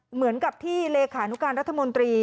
เหมือนกับที่เลขานุการรัฐมนตรี